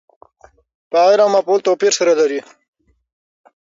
فاعل او مفعول توپیر سره لري.